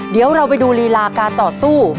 เดี๋ยวเราไปดูรีลาการต่อสู้